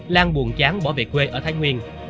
lan buồn chán bỏ về quê ở thái nguyên